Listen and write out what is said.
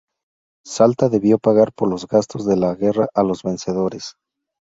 Salta debió pagar por los gastos de la guerra a los vencedores.